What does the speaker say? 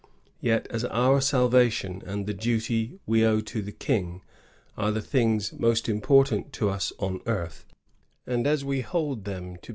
Yet as our salvation and the duty we owe the King are the things most important to us on earth, and as we hold them to be 1664.